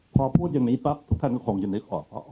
พอพูดอย่างนี้ปั๊บทุกท่านก็คงจะนึกออกว่า